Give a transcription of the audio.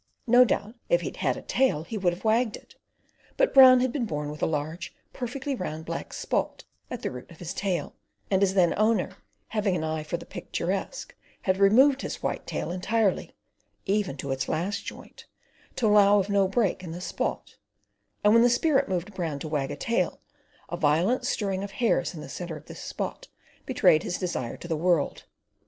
No doubt if he had had a tail he would have wagged it, but Brown had been born with a large, perfectly round, black spot, at the root of his tail, and his then owner, having an eye for the picturesque, had removed his white tail entirely, even to its last joint, to allow of no break in the spot; and when the spirit moved Brown to wag a tail, a violent stirring of hairs in the centre of this spot betrayed his desire to the world.